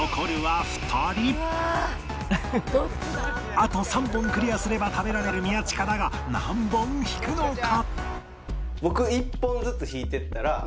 あと３本クリアすれば食べられる宮近だが何本引くのか？